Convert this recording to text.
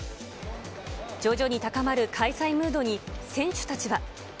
徐々に高まる開催ムードに、選手たちは。